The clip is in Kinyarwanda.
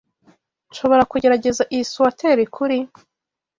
Nshobora kugerageza iyi swater kuri?